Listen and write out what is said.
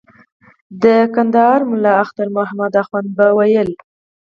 د کندهار ملا اختر محمد اخند به ویل.